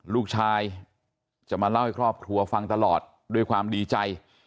ลูกชายจะมาเล่าให้ครอบครัวฟังตลอดด้วยความดีใจ